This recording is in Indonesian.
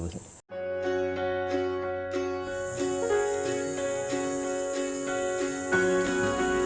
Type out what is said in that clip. lalu dia nyaman